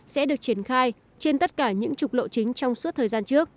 sẽ được triển khai trên tất cả những trục lộ chính trong suốt thời gian trước